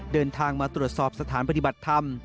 เดินทางมาตรวจสอบสถานปฏิบัติธรรม